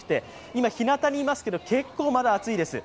今、日向にいますけど結構まだ暑いです。